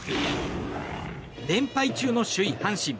連敗中の首位、阪神。